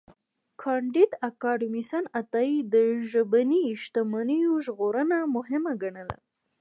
کانديد اکاډميسن عطايی د ژبني شتمنیو ژغورنه مهمه ګڼله.